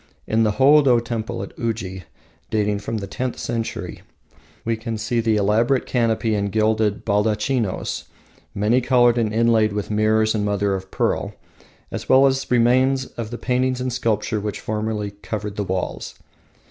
In the Hoodo temple at Uji, dating from the tenth century, we can still see the elaborate canopy and gilded baldachinos, many coloured and inlaid with mirrors and mother of pearl, as well as remains of the paintings and sculpture which formerly covered the walls.